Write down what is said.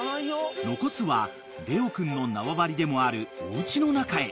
［残すはレオ君の縄張りでもあるおうちの中へ］